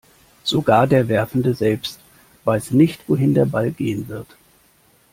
Sogar der Werfende selbst weiß nicht, wohin der Ball gehen wird.